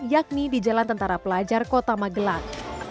yakni di jalan tentara pelajar kota magelang